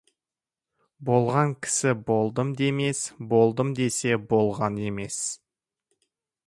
Болған кісі «болдым» демес, «Болдым» десе, болғаны емес.